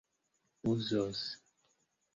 uzos